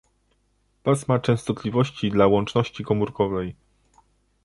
Pasma częstotliwości dla łączności komórkowej